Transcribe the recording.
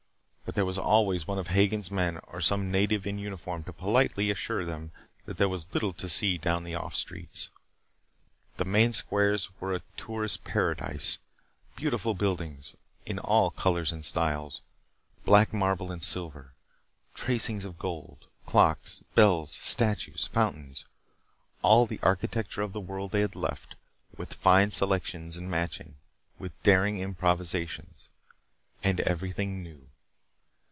But there was always one of Hagen's men or some native in uniform to politely assure them that there was little to see down the off streets. The main squares were a tourist's paradise. Beautiful buildings in all colors and styles, black marble and silver. Tracings of gold. Clocks, bells, statues, fountains. All the architecture of the world they had left, with fine selections and matching, with daring improvisations. And everything new.